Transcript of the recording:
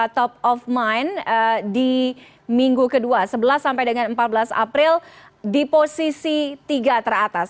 top of mind di minggu kedua sebelas sampai dengan empat belas april di posisi tiga teratas